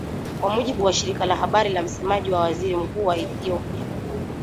Kwa mujibu wa shirika la habari la msemaji wa waziri mkuu wa Ehiopia